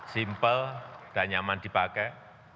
simple dan nyaman dipakai